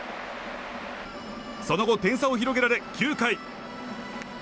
その後、点差を広げられ９回。